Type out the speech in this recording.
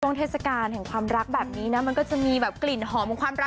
เทศกาลแห่งความรักแบบนี้นะมันก็จะมีแบบกลิ่นหอมของความรัก